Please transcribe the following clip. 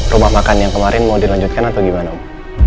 rumah makan yang kemarin mau dilanjutkan atau gimana ibu